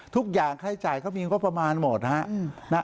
ทุกอย่างใครจ่ายเขามีก็ประมาณหมดนะครับ